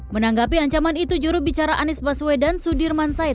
menanggapi ancaman itu juru bicara anies baswedan sudirman said